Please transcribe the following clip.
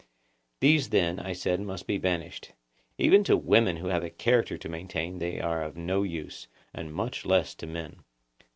These then, I said, must be banished; even to women who have a character to maintain they are of no use, and much less to men.